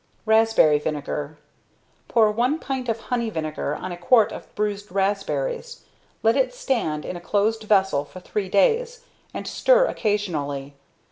~Raspberry Vinegar.~ Pour 1 pint of honey vinegar on a quart of bruised raspberries. Let it stand in a closed vessel for three days, and stir occasionally.